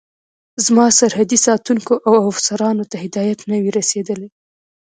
زما سرحدي ساتونکو او افسرانو ته هدایت نه وي رسېدلی.